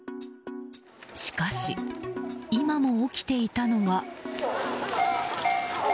しかし、今も起きていたのが。